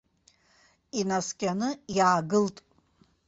Инаскьаны иаагылт.